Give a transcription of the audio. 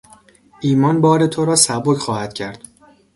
ایمان بار تو را سبک خواهد کرد.